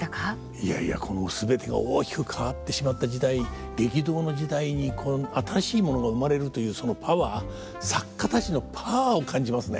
いやいやこの全てが大きく変わってしまった時代激動の時代に新しいものが生まれるというそのパワー作家たちのパワーを感じますね。